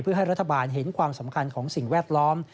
เพื่อให้รัฐบาลเห็นความสำคัญของสิ่งแวดล้อม